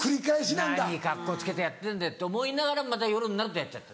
何カッコつけてやってんだよって思いながらまた夜になるとやっちゃって。